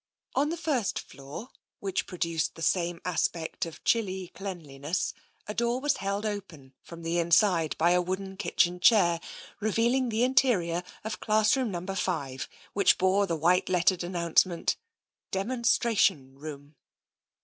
On the first floor, which produced the same aspect of chilly cleanliness, a door was held open from the inside by a wooden kitchen chair, revealing the inte rior of Classroom No. V., which bore the white lettered announcement, " Demonstration Room."